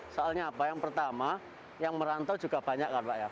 soalnya apa yang pertama yang merantau juga banyak kan pak ya